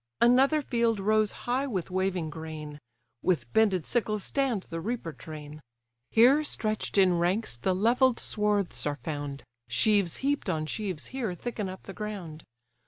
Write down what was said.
Another field rose high with waving grain; With bended sickles stand the reaper train: Here stretched in ranks the levell'd swarths are found, Sheaves heap'd on sheaves here thicken up the ground.